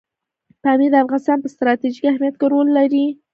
پامیر د افغانستان په ستراتیژیک اهمیت کې رول لري.